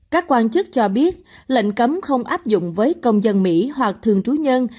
các quan chức cho biết lệnh cấm không áp dụng với công dân mỹ hoặc thường trú nhân